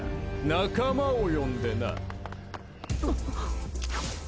仲間を呼んでな。